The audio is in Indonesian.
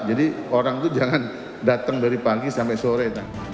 jadi orang itu jangan datang dari pagi sampai sore